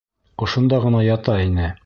Ошонда ғына ята ине.